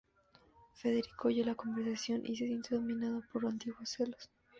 Federico oye la conversación y se siente dominado por antiguos celos.